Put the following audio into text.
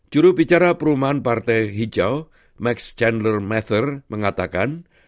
jurubicara perumahan partai hijau max chandler matter mengatakan